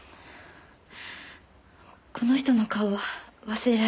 この人の顔は忘れられません。